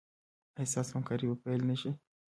ایا ستاسو همکاري به پیل نه شي؟